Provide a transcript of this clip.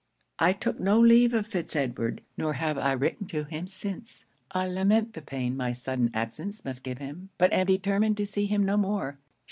'I took no leave of Fitz Edward; nor have I written to him since. I lament the pain my sudden absence must give him; but am determined to see him no more.